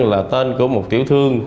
là tên của một tiểu thương